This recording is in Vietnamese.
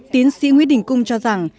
tiến sĩ nguyễn đình cung cho rằng